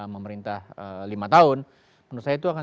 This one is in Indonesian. memerintah lima tahun menurut saya itu akan